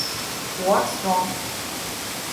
What's wrong?